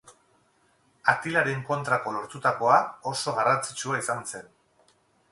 Atilaren kontrako lortutakoa oso garrantzitsua izan zen.